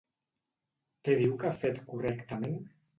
Què diu que ha fet correctament?